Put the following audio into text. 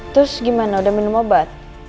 terus gimana udah minum obat